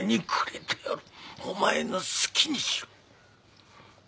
お前の好きにしろ